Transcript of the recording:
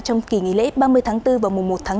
trong kỳ nghỉ lễ ba mươi tháng bốn và mùa một tháng bốn